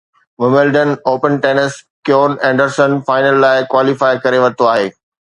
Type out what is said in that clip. Wimbledon open tennis Kevin Anderson final لاءِ qualify ڪري ورتو آهي